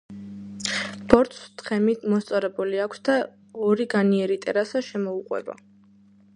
ბორცვს თხემი მოსწორებული აქვს და ორი განიერი ტერასა შემოუყვება.